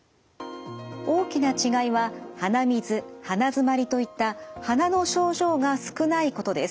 大きな違いは鼻水鼻づまりといった鼻の症状が少ないことです。